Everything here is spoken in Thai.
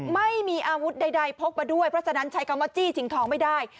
ไม่มีอาวุธใดพกมาด้วยเพราะฉะนั้นใช้คำว่าจี้ชิงทองไม่ได้